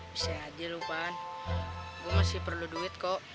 bisa aja lho pan gue masih perlu duit kok